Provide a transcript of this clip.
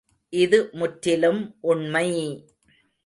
இது முற்றிலும் உண்மை!